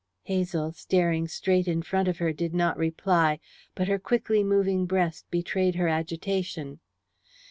Hazel, staring straight in front of her, did not reply, but her quickly moving breast betrayed her agitation.